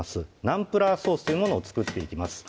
ナンプラーソースというものを作っていきます